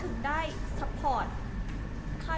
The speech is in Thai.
ส่งคมกลับมองว่า